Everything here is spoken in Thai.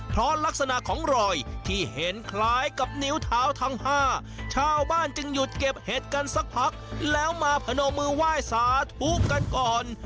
เพราะลักษณะของรอยที่เห็นคล้ายกับนิ้วเท้าทั้ง๕ชาวบ้านจึงหยุดเก็บเห็ดกันสักพักแล้วมาพนมมือไหว้สาธุกันก่อน